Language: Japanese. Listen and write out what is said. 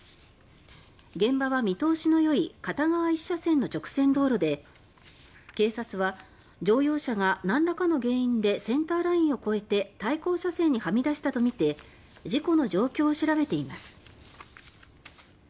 現場は見通しの良い片側１車線の直線道路で警察は乗用車が何らかの原因でセンターラインを越えて対向車線にはみ出したとみて事故の状況を調べています。